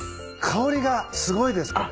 香りがすごいですね。